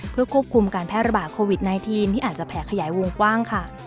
เพื่อควบคุมการแพร่ระบาดโควิด๑๙ที่อาจจะแผลขยายวงกว้างค่ะ